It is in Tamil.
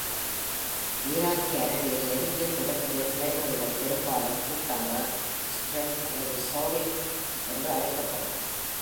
ஈராக்கிய அரபியில், நெருங்கிய தொடர்புடைய கிளைமொழிகள் பெரும்பாலும் கூட்டாக "Soureth", அல்லது "Syriac" என்று அழைக்கப்படும்.